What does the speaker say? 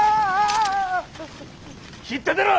引っ立てろ！